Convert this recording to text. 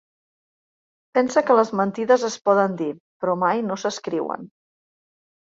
Pensa que les mentides es poden dir, però mai no s'escriuen.